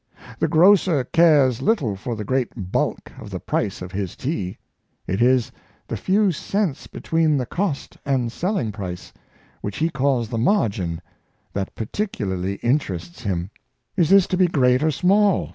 The grocer cares little for the great bulk of the price of his tea. It is the few cents between the cost and selling price, which he calls the margin, that particularly interests him. Is this to be great or small?